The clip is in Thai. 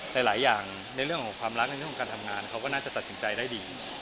หลายอย่างในเรื่องของความรักในเรื่องของการทำงานเขาก็น่าจะตัดสินใจได้ดี